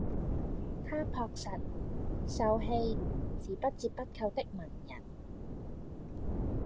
他樸實、秀氣，是不折不扣的文人